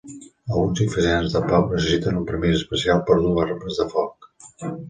Alguns oficials de pau necessiten un permís especial per dur armes de foc.